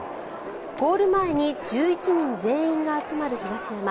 ゴール前に１１人全員が集まる東山。